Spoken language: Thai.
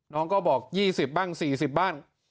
น้องก็บอก๒๐บ้าง๔๐บ้าง